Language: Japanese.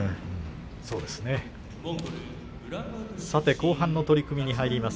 後半の取組に入ります。